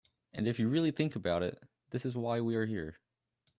And if you really think about it, this is why we are here.